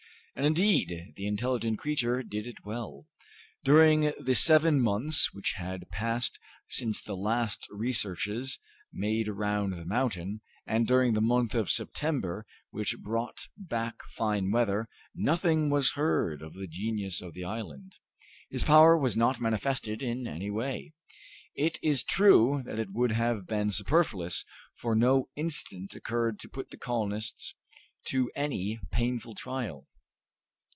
And indeed the intelligent creature did it well. During the seven months which had passed since the last researches made round the mountain, and during the month of September, which brought back fine weather, nothing was heard of the genius of the island. His power was not manifested in any way. It is true that it would have been superfluous, for no incident occurred to put the colonists to any painful trial.